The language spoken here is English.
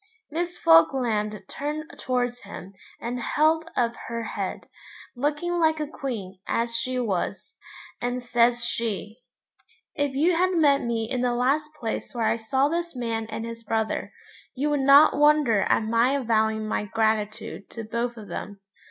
Miss Falkland turned towards him and held up her head, looking like a queen, as she was, and says she 'If you had met me in the last place where I saw this man and his brother, you would not wonder at my avowing my gratitude to both of them.